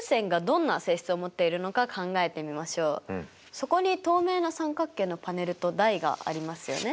そこに透明な三角形のパネルと台がありますよね。